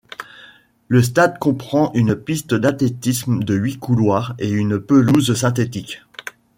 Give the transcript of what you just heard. Le stade comprend une piste d’athlétisme de huit couloirs et une pelouse synthétique.